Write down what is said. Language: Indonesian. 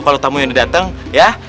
kalau tamu yang udah dateng ya